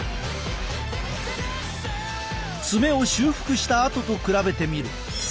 爪を修復したあとと比べてみる。